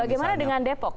bagaimana dengan depok